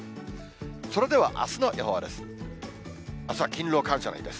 それではあすの予報です。